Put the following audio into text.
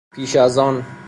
پیش از آن